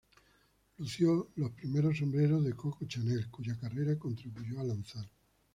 Lució los primeros sombreros de Coco Chanel, cuya carrera contribuyó a lanzar.